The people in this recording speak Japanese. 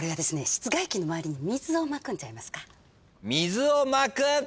室外機の周りに水をまくんちゃいますか？